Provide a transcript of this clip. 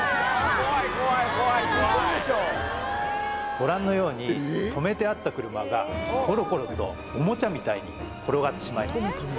ご覧のように止めてあった車がコロコロとオモチャみたいに転がってしまいます